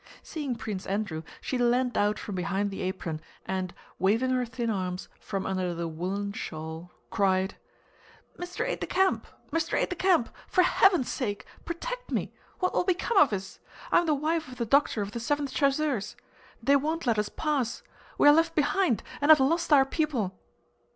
Seeing Prince Andrew she leaned out from behind the apron and, waving her thin arms from under the woolen shawl, cried: "Mr. Aide de camp! Mr. Aide de camp!... For heaven's sake... Protect me! What will become of us? I am the wife of the doctor of the Seventh Chasseurs.... They won't let us pass, we are left behind and have lost our people..."